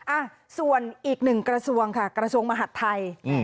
อ่ะส่วนอีกหนึ่งกระทรวงค่ะกระทรวงมหัฐไทยอืม